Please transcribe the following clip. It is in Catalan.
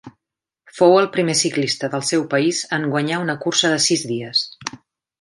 Fou el primer ciclista del seu país en guanyar una cursa de sis dies.